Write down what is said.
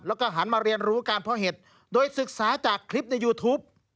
แล้วก็หันมาเรียนรู้การเพาะเห็ดโดยศึกษาจากคลิปในยูทูป